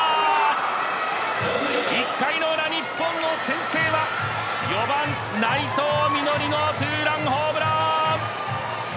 １回のウラ、日本の先制は４番・内藤実穂のツーランホームラン！